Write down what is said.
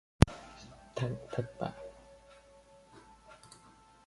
thằng thất bại